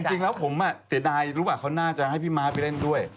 จริงแล้วผมเสียดายรู้ป่ะเขาน่าจะให้พี่ม้าไปเล่นด้วย